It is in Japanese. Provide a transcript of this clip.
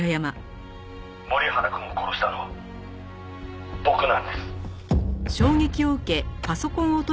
「森原くんを殺したのは僕なんです」